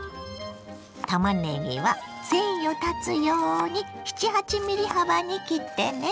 たまねぎは繊維を断つように７８ｍｍ幅に切ってね。